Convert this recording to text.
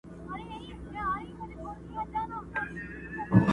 نه مي څوک لمبې ته ګوري، نه په اوښکو مي خبر سول!!